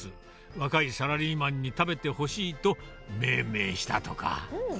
若いサラリーマンに食べてほしいと、命名したとか。